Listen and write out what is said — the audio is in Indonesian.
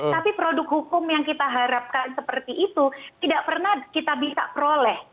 tapi produk hukum yang kita harapkan seperti itu tidak pernah kita bisa peroleh